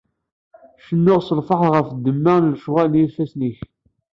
Cennuɣ s lferḥ ɣef ddemma n lecɣwal n yifassen-ik.